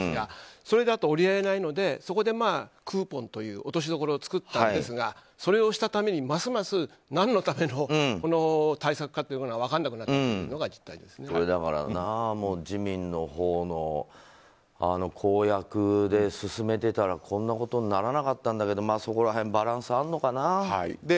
それだと折り合えないのでそこでクーポンという落としどころを作ったんですがそれをしたために、ますます何のための対策かというのが自民のほうの公約で進めていたらこんなことにならなかったんだけどそこら辺、バランスあるのかな。